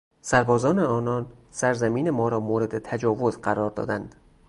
سربازان آنان سرزمین ما را مورد تجاوز قرار دادند.